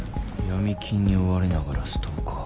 ヤミ金に追われながらストーカー。